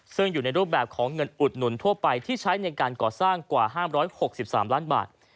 ซึ่งอยู่ในรูปแบบของเงินอุดหนุนทั่วไปที่ใช้ในการก่อสร้างกว่า๕๖๓ล้านบาท